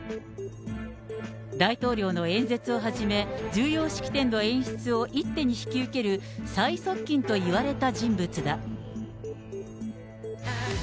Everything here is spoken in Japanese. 大統領の演説をはじめ、重要式典の演出を一手に引き受ける最側近といわれた人物だ。